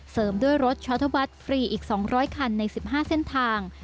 เสริมด้วยรถชัตเติ้ลบัสฟรีอีก๒๐๐คันใน๑๕เส้นทาง